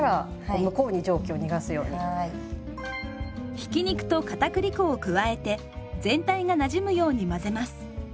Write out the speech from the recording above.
ひき肉とかたくり粉を加えて全体がなじむように混ぜます。